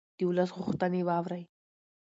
د ولس غوښتنې واورئ